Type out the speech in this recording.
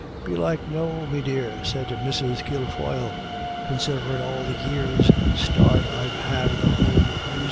" Belike no, me dear," said Mrs. Kilfoyle, "con siderin' all the years' start I've had of the whole of yous.